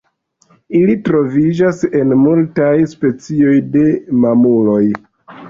Ili troviĝas en multaj specioj de mamuloj.